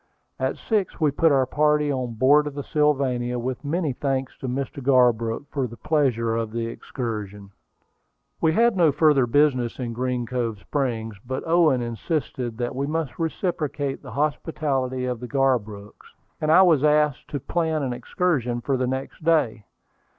At six we put our party on board of the Sylvania, with many thanks to Mr. Garbrook for the pleasure of the excursion. We had no further business in Green Cove Springs; but Owen insisted that we must reciprocate the hospitality of the Garbrooks, and I was asked to plan an excursion for the next day.